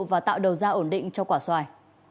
và tạo đầu da ổn định cho quả xoài